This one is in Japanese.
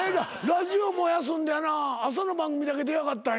ラジオも休んでやな朝の番組だけ出やがったんや。